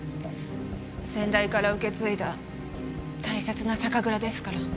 先代から受け継いだ大切な酒蔵ですから。